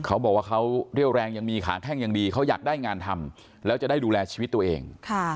เขาบอกว่าเขาเรี่ยวแรงยังมีขาแข้งยังดีเขาอยากได้งานทำแล้วจะได้ดูแลชีวิตตัวเอง